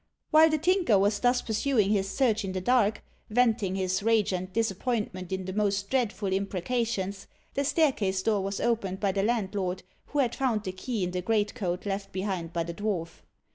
While the Tinker was thus pursuing his search in the dark, venting his rage and disappointment in the most dreadful imprecations, the staircase door was opened by the landlord, who had found the key in the greatcoat left behind by the dwarf.